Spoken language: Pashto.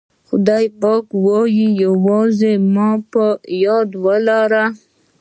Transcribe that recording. خدای پاک وایي یوازې ما په یاد ولره.